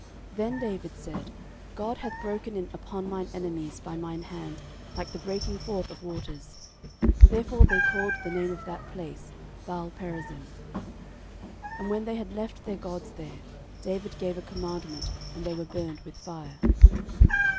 Then David said, God hath broken in upon mine enemies by mine hand like the breaking forth of waters: therefore they called the name of that place Baalperazim. 13:014:012 And when they had left their gods there, David gave a commandment, and they were burned with fire.